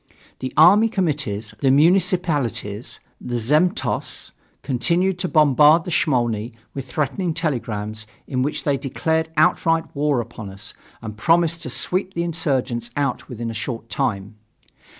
The army committees, the municipalities, the zemstvos continued to bombard the Smolny with threatening telegrams in which they declared outright war upon us and promised to sweep the insurgents out within a short time.